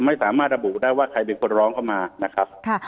ไม่สามารถระบุได้ว่าใครเป็นคนร้องเข้ามานะครับ